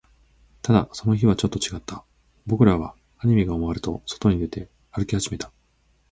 ただ、その日はちょっと違った。僕らはアニメが終わると、外に出て、歩き始めた。